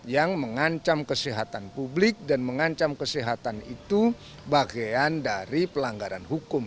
yang mengancam kesehatan publik dan mengancam kesehatan itu bagian dari pelanggaran hukum